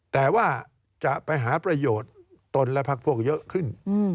แต่ว่าจะไปหาประโยชน์ตนและพักพวกเยอะขึ้น